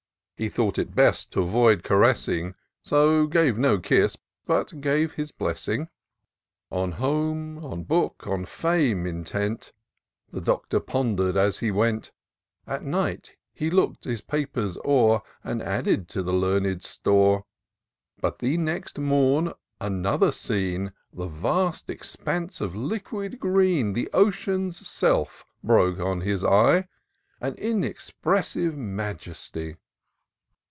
He thought it best t' avoid caressing ; So gave no kiss, but gave his blessing. On home, on book, on fame intent. The Doctor ponder'd as he went: I 214 TOUR OF DOCTOR SYNTAX At night, he look'd his papers o'er. And added to the learned store : But the next mom, another scene. The vast expanse of liquid green. The ocean's self — broke on his eye. In mexpressive majesty.